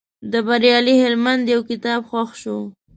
د بریالي هلمند یو کتاب خوښ شو.